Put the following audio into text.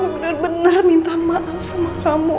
aku bener bener minta maaf sama kamu